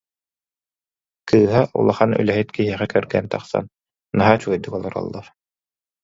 Кыыһа улахан үлэһит киһиэхэ кэргэн тахсан, наһаа үчүгэйдик олороллор